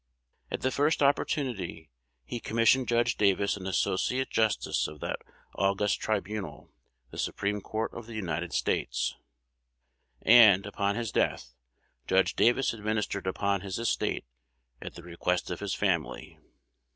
At the first opportunity, he commissioned Judge Davis an Associate Justice of that august tribunal, the Supreme Court of the United States; and, upon his death, Judge Davis administered upon his estate at the request of his family.